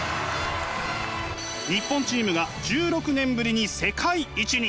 日本チームが１６年ぶりに世界一に！